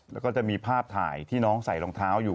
แล้วก็จะมีภาพถ่ายที่น้องใส่รองเท้าอยู่